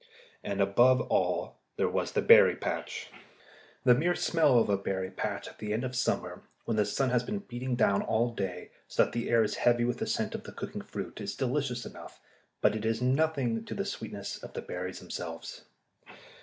And above all there was the berry patch. The mere smell of a berry patch at the end of summer, when the sun has been beating down all day, so that the air is heavy with the scent of the cooking fruit, is delicious enough, but it is nothing to the sweetness of the berries themselves.